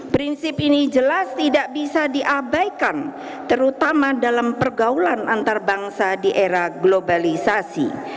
prinsip ini jelas tidak bisa diabaikan terutama dalam pergaulan antarbangsa di era globalisasi